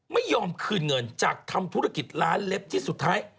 ไม่ยอมคืนเงินจากทำธุรกิจร้านเล็บที่สุดท้าย